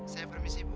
saya permisi bu